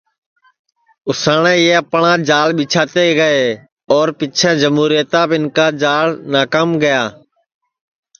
اُساٹؔے یہ اپٹؔا جال ٻیچھاتے گے اور پیچھیں جموُریتاپ اِن کا جال ناکام گیا